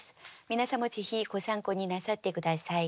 皆さんもぜひご参考になさって下さい。